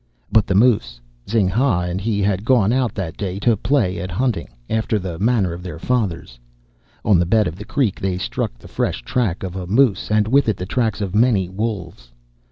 But the moose. Zing ha and he had gone out that day to play at hunting after the manner of their fathers. On the bed of the creek they struck the fresh track of a moose, and with it the tracks of many wolves.